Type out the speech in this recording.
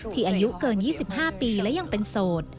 อายุเกิน๒๕ปีและยังเป็นโสด